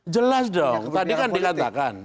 jelas dong tadi kan dikatakan